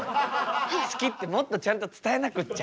好きってもっとちゃんと伝えなくっちゃ。